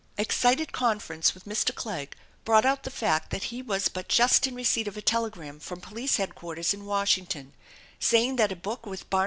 Excited conference with Mr. Clegg brought out the fact that he was but just in receipt of a telegram from Police Headquarters in Washimrton saying that a book with Barnar